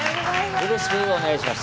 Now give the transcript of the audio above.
よろしくお願いします。